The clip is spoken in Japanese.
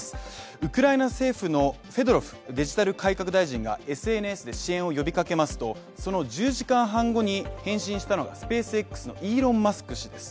ウクライナ政府のフェドロフ・デジタル改革大臣がＳＮＳで支援を呼びかけますと、その１０時間半後に返信したのがスペースＸのイーロン・マスク氏です。